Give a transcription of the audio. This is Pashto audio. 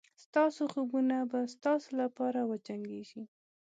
ستاسو خوبونه به ستاسو لپاره وجنګېږي.